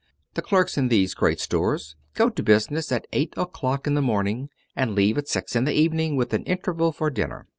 The clerks in these great stores go to business at eight o'clock in the morning, and leave at six in the evening, with an interval for dinner.